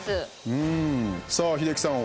さあ、英樹さん